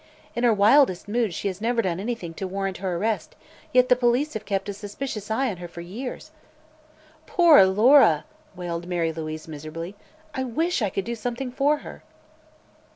In her wildest moods she has never done anything to warrant her arrest, yet the police have kept a suspicious eye on her for years." "Poor Alora!" wailed Mary Louise, miserably; "I wish I could do something for her."